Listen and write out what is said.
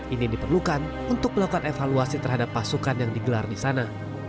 ini diperlukan untuk melakukan evaluasi terhadap pasukan yang digelar di sana